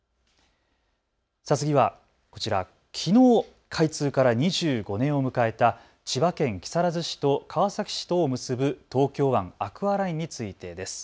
次はこちら、きのう開通から２５年を迎えた千葉県木更津市と川崎市とを結ぶ東京湾アクアラインについてです。